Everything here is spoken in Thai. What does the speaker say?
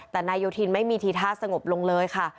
แต่นายโยธินไม่มีทีท่าสงบลงเลยค่ะ